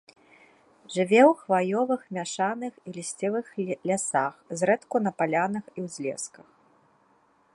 Жыве ў хваёвых, мяшаных і лісцевых лясах, зрэдку на палянах і ўзлесках.